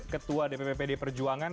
ketua dpppd perjuangan